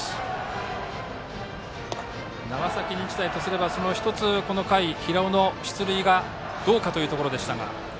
長崎日大とすれば、この回平尾の出塁がどうかというところでしたが。